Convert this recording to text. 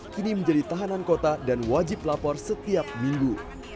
kini menjadi tahanan kota dan wajib lapor setiap minggu